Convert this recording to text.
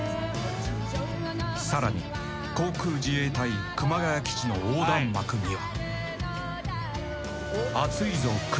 「さらに航空自衛隊熊谷基地の横断幕には」